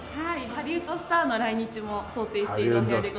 ハリウッドスターの来日も想定しているお部屋でございます。